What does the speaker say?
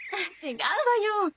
違うわよ。